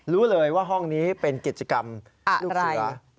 รู้เลยว่าห้องนี้เป็นกิจกรรมลูกเสือ